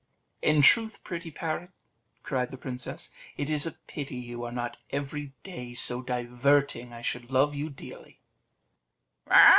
"In truth, pretty parrot," cried the princess, "it is a pity you are not every day so diverting I should love you dearly."